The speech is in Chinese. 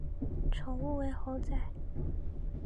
宠物为猴仔。